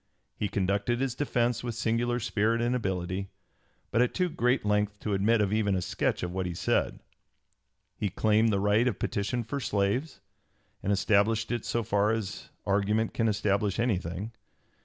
He conducted his defence with singular spirit and ability, but at too great length to admit of even a sketch of what he said. He claimed the right of petition for slaves, and established it so far as argument can establish anything.